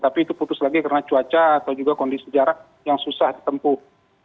tapi itu putus lagi karena cuaca atau juga kondisi jarak yang susah ditempuh